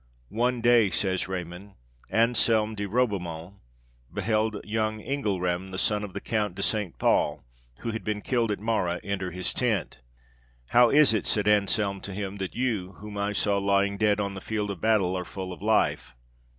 "One day," says Raymond, "Anselme de Ribeaumont beheld young Engelram, the son of the Count de St. Paul, who had been killed at Marah, enter his tent. 'How is it,' said Anselme to him, 'that you, whom I saw lying dead on the field of battle, are full or life?'